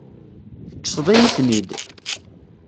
Tekkseḍ-iyi-ten-id.